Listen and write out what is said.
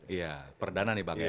iya perdana nih bang